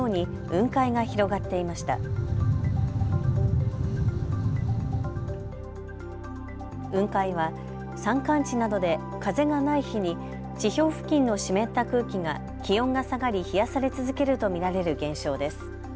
雲海は山間地などで風がない日に地表付近の湿った空気が気温が下がり冷やされ続けると見られる現象です。